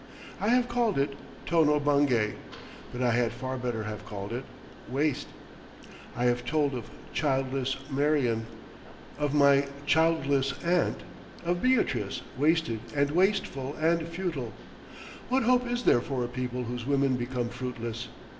I have called it Tono Bungay, but I had far better have called it Waste. I have told of childless Marion, of my childless aunt, of Beatrice wasted and wasteful and futile. What hope is there for a people whose women become fruitless?